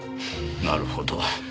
なるほど。